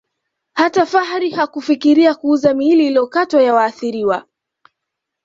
Hata Fuhrer hakufikiria kuuza miili iliyokatwa ya waathiriwa